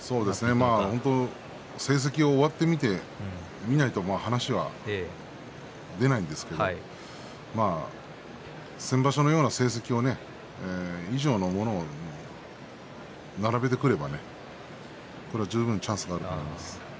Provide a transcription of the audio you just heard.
成績、終わってみないと話は出ないんですけれど先場所のような成績それ以上のものを並べてくれれば十分チャンスはあると思います。